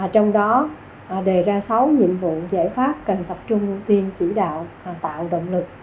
trong đó đề ra sáu nhiệm vụ giải pháp cần tập trung ưu tiên chỉ đạo tạo động lực